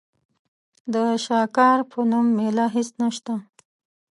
د شاکار په نوم مېله هېڅ نشته.